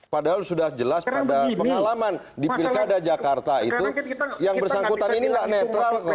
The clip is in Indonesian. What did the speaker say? padahal sudah jelas pada pengalaman di pilkada jakarta itu yang bersangkutan ini nggak netral kok